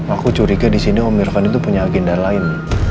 aku curiga disini om irfan itu punya agenda lain